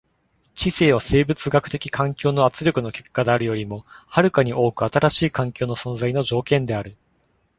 知性は生物学的環境の圧力の結果であるよりも遥かに多く新しい環境の存在の条件である。